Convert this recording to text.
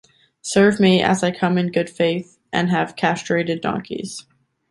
Serve me, as I come in good faith; and have just castrated donkeys.